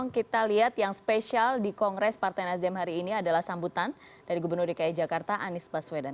kita lihat yang spesial di kongres partai nasdem hari ini adalah sambutan dari gubernur dki jakarta anies baswedan